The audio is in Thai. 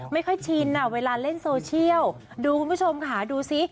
ไม่ค่อยชินอ่ะเวลาเล่นโซเชียลดูคุณผู้ชมค่ะดูสิ